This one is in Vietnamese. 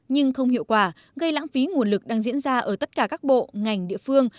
nhưng không hiệu quả gây lãng phí nguồn lực đang diễn ra ở tất cả các bộ ngành địa phương